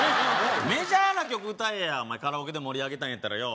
メジャーな曲歌えや、カラオケで盛り上げたいんやったら。